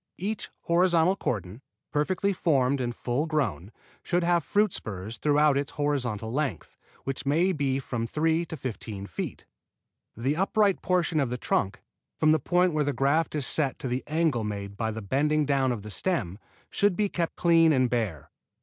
Each horizontal cordon, perfectly formed and full grown, should have fruit spurs throughout its horizontal length, which may be from three to fifteen feet. The upright portion of the trunk, from the point where the graft is set to the angle made by the bending down of the stem, should be kept clean and bare.